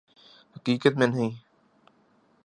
حقیقت میں نہیں